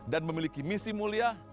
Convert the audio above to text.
dan memiliki misi mulia